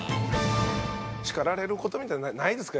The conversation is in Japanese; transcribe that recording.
叱られることみたいなのないですか？